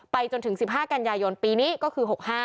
จนถึง๑๕กันยายนปีนี้ก็คือ๖๕